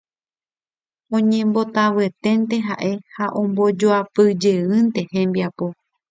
Oñembotavyeténte ha'e ha ombojoapyjeýnte hembiapo.